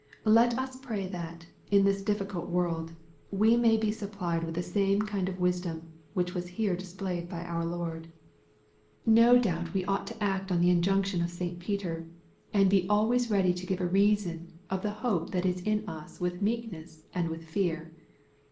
Let us pray that, in this difficult world, we may be supplied with the same kind of wisdom which was here displayed by our Lord. No doubt we ought to act on the 12* 1 274 EXPOSITORY XfiOUOHTa injunction of St. Peter, ^^Nuid be always ready to give a reason of the hope that is in us with meekness and with fear."